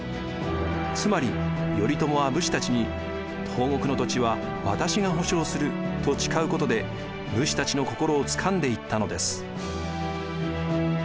つまり頼朝は武士たちに「東国の土地は私が保証する」と誓うことで武士たちの心をつかんでいったのです。